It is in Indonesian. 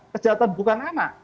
kejahatan bukan anak